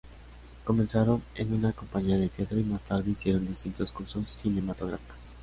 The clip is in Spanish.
Comenzaron en una compañía de teatro y más tarde hicieron distintos cursos cinematográficos.